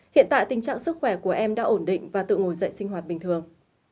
hiện tại tình trạng sức khỏe của em đã ổn định và tự ngồi dậy sinh hoạt bình thường